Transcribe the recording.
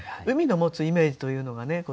海の持つイメージというのがね